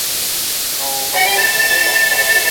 ليکوال د ټولني لپاره کوم پيغام لري؟